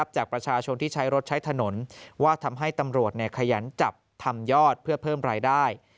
จากประชาชนที่ใช้รถใช้ถนนว่าทำให้ตำรวจขยันจับทำยอดเพื่อเพิ่มรายได้